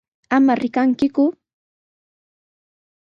¡Ama rikankiku!